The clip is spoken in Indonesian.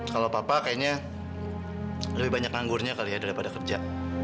kalau papa kayaknya lebih banyak nganggurnya kali ya daripada kerja